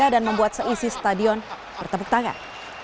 membuat seisi stadion bertepuk tangan